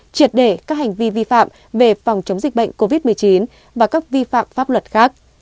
triệt để các hành vi vi phạm về phòng chống dịch bệnh covid một mươi chín và các vi phạm pháp luật khác